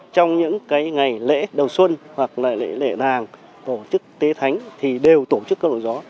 trong những cái ngày lễ đầu xuân hoặc là lễ đàng tổ chức tế thánh thì đều tổ chức câu đội gió